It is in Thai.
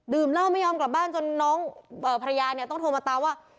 เหล้าไม่ยอมกลับบ้านจนน้องภรรยาเนี่ยต้องโทรมาตามว่า